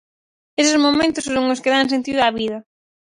Eses momentos son os que dan sentido á vida.